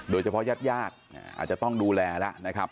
โดยเฉพาะญาติยากอาจจะต้องดูแลแล้วนะครับ